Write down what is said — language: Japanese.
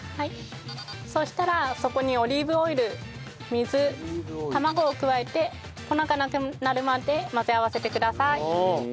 そうしたらそこにオリーブオイル水卵を加えて粉がなくなるまで混ぜ合わせてください。